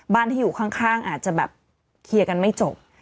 บ้านที่อยู่ข้างอาจจะแบบเคลียร์กันไม่จบ